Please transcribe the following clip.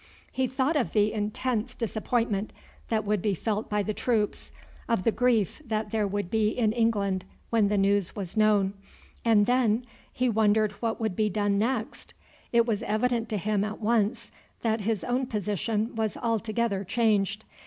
He thought of the intense disappointment that would be felt by the troops, of the grief that there would be in England when the news was known, and then he wondered what would be done next. It was evident to him at once that his own position was altogether changed.